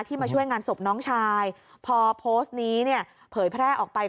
มาช่วยงานศพน้องชายพอโพสต์นี้เนี่ยเผยแพร่ออกไป